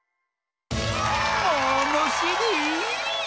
ものしり！